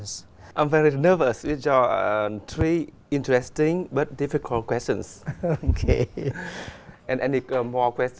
chúng tôi có nhiều người học việt nam